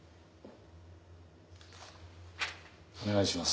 お願いします。